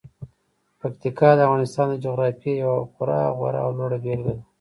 پکتیکا د افغانستان د جغرافیې یوه خورا غوره او لوړه بېلګه ده.